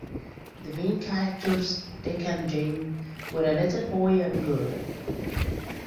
The main characters, Dick and Jane, were a little boy and girl.